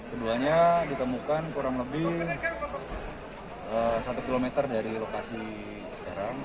keduanya ditemukan kurang lebih satu km dari lokasi sekarang